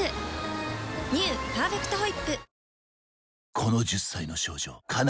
「パーフェクトホイップ」